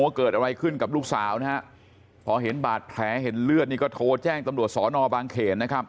เกิดอะไรขึ้นกับลูกสาวนะฮะพอเห็นบาดแผลเห็นเลือดนี่ก็โทรแจ้งตำรวจสอนอบางเขนนะครับ